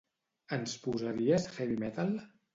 Ens posaries heavy metal?